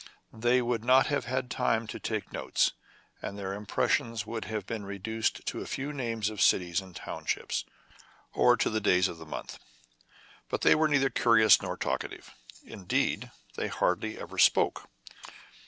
They would not have had time to take notes ; and their impres sions would have been reduced to a few names of cities and townships, or to the days of the month. But they were neither curious nor talkative : in deed, they hardly ever spoke.